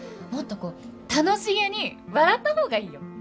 もっとこう楽しげに笑ったほうがいいよ。